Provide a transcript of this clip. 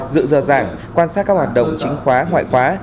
dự dờ giảng quan sát các hoạt động chính khóa ngoại khóa